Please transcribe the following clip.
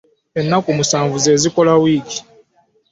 Ennaku musanvu zezikola wiiki .